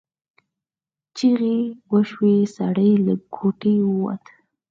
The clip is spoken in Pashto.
چیغې وشوې سړی له کوټې ووت.